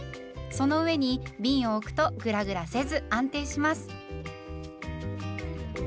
その上にびんを置くとグラグラせず安定します。